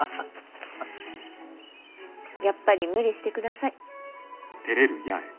やっぱり無理してください。